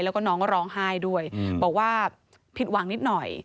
แล้วก็น้องก็ร้องไห้ด้วยบอกว่าผิดหวังนิดหน่อย